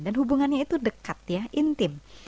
dan hubungannya itu dekat ya intim